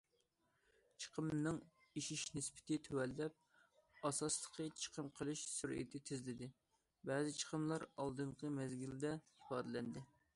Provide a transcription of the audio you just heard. چىقىمنىڭ ئېشىش نىسبىتى تۆۋەنلەپ، ئاساسلىقى چىقىم قىلىش سۈرئىتى تېزلىدى، بەزى چىقىملار ئالدىنقى مەزگىلدە ئىپادىلەندى.